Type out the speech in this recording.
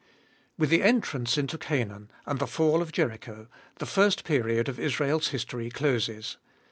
WITH the entrance into Canaan and the fall of Jericho the first period of Israel's history closes.